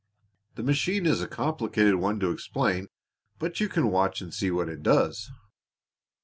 The machine is a complicated one to explain, but you can watch and see what it does."